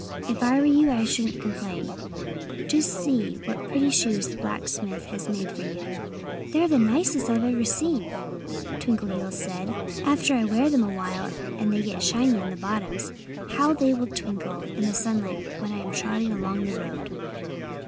"If I were you I shouldn't complain. Just see what pretty shoes the blacksmith has made for you!" [Illustration: Spot Tells Twinkleheels He is Slow. (Page 90)] "They're the nicest I've ever seen," Twinkleheels said. "After I wear them a while and they get shiny on the bottoms, how they will twinkle in the sunlight when I'm trotting along the road!"